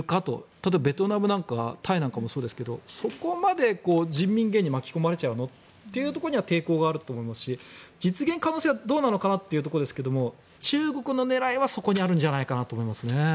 例えばベトナムなんかタイなんかもそうですがそこまで、人民元に巻き込まれちゃうのというところには抵抗があると思いますし実現可能性はどうなのかなというところですが中国の狙いはそこにあるんじゃないかなと思いますね。